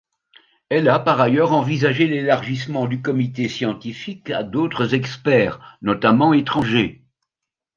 Elle a par ailleurs envisagé l'élargissement du Comité scientifique à d'autres experts, notamment étrangers.